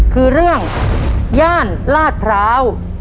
คือเรื่องย่านลาดพร้าว